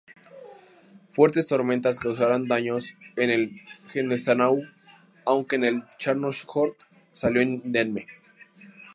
Fuertes tormentas causaron daños en el "Gneisenau", aunque el "Scharnhorst" salió indemne.